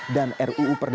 dan ruu perdenganan